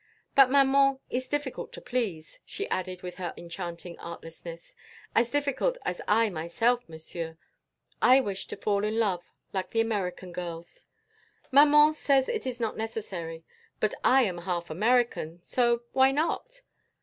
"But maman is difficult to please," she added with her enchanting artlessness, "as difficult as I myself, monsieur. I wish to fall in love like the American girls. Maman says it is not necessary, but I am half American, so, why not?